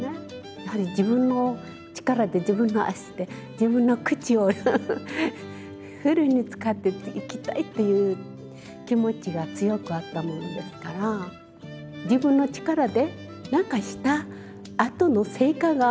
やはり自分の力で自分の足で自分の口をフルに使って生きたいっていう気持ちが強くあったものですから自分の力で何かしたあとの成果が見れるっていうことはすばらしいです。